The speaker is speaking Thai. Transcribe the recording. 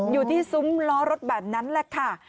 อยู่ที่ซุ้มล้อรถแบบนั้นแหละค่ะ